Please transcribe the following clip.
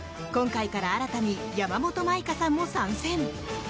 今回から新たに山本舞香さんも参戦。